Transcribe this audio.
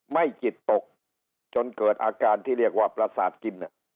ไม่จิตตกจนเกิดอาการที่เรียกว่าประสาทกิน